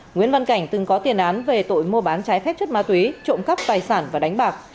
nguyễn văn cảnh từng có tiền án về tội mua bán trái phép chất ma túy trộm cắp tài sản và đánh bạc